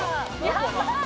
やばい！